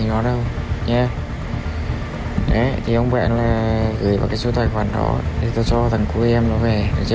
rồi nha thế thì ông bạn gửi vào cái số tài khoản đó thì tôi cho thằng của em nó về rồi chưa ạ